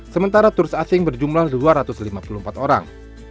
sementara turis asing berjumlah dua ratus lima puluh empat orang